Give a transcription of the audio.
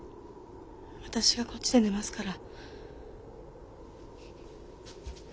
私がこっちで寝ますから。